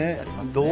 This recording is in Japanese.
どう？